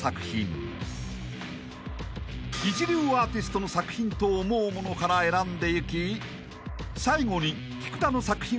［一流アーティストの作品と思う物から選んでいき］